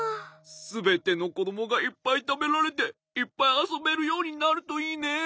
すべてのこどもがいっぱいたべられていっぱいあそべるようになるといいね。